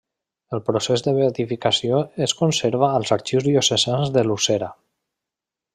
El procés de beatificació es conserva als arxius diocesans de Lucera.